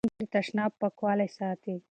مور د ماشوم د تشناب پاکوالی ساتي.